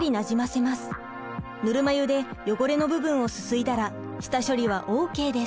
ぬるま湯で汚れの部分をすすいだら下処理はＯＫです。